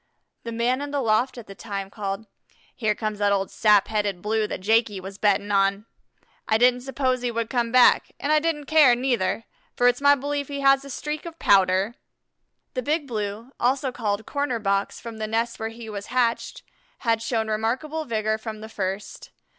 The man in the loft at the time called: "Here comes that old sap headed Blue that Jakey was betting on. I didn't suppose he would come back, and I didn't care, neither, for it's my belief he has a streak of Pouter." The Big Blue, also called "Corner box" from the nest where he was hatched, had shown remarkable vigor from the first.